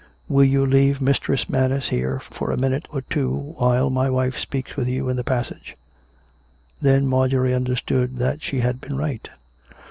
" Will you leave Mistress Manners here for a minute or two while my wife speaks with you in the passage }" Then Marjorie understood that she had been right.